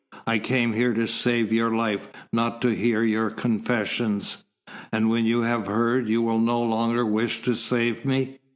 "I came here to save your life, not to hear your confessions." "And when you have heard, you will no longer wish to save me.